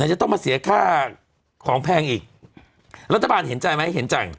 นายจะต้องมาเสียค่าของพังอีกรัฐบาลเห็นใจไหม